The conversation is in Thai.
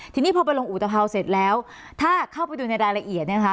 ทีนี้พอไปลงอุตภาวเสร็จแล้วถ้าเข้าไปดูในรายละเอียดเนี่ยนะคะ